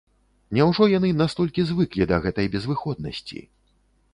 Няўжо яны настолькі звыклі да гэтай безвыходнасці?